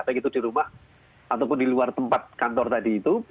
baik itu di rumah ataupun di luar tempat kantor tadi itu